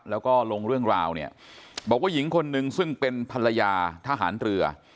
แล้วก็ลงเรื่องราวเนี่ยบอกว่าหญิงคนนึงซึ่งเป็นภรรยาทหารเรือ